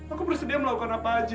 aku bersedia melakukan apa aja